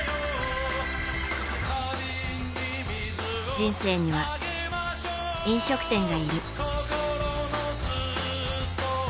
人生には、飲食店がいる。